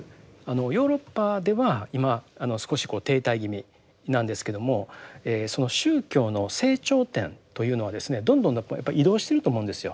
ヨーロッパでは今あの少しこう停滞気味なんですけどもその宗教の成長点というのはですねどんどんやっぱり移動してると思うんですよ。